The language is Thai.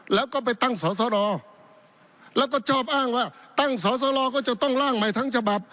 แล้วก็ไปตั้งสอสรแล้วก็ชอบอ้างว่าตั้งสอสรก็จะต้องล่างใหม่ทั้งฉบับ